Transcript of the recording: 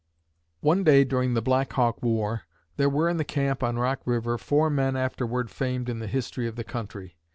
One day during the Black Hawk War there were in the camp on Rock river four men afterward famed in the history of the country.